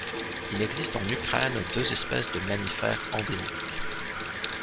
Il existe en Ukraine deux espèces de mammifères endémiques.